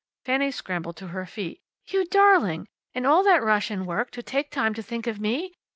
Fanny scrambled to her feet. "You darling! In all that rush and work, to take time to think of me!